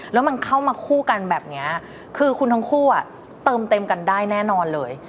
แล้วมันเข้ามาคู่กันแบบนี้คือคุณทั้งคู่อ่ะเติมเต็มกันได้แน่นอนเลย